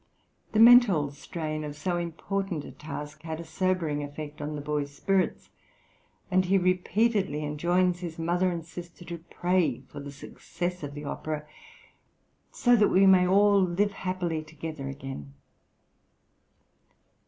The mental strain of so important a task had a sobering effect on the boy's spirits, and he repeatedly enjoins his mother and sister to pray for the success of the opera, "so that we may all live happily {THE ITALIAN TOUR.} (130) together again."